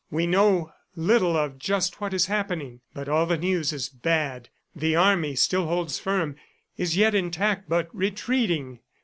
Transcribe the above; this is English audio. We know little of just what is happening, but all the news is bad. The army still holds firm, is yet intact, but retreating